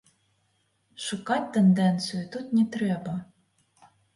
Шукаць тэндэнцыю тут не трэба.